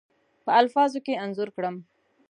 په الفاظو کې انځور کړم.